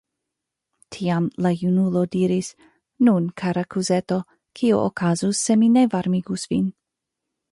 Tiam la junulo diris: Nun, kara kuzeto, kio okazus se mi ne varmigus vin?